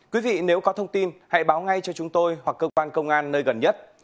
quý vị nếu có thông tin hãy báo ngay cho chúng tôi hoặc cơ quan công an nơi gần nhất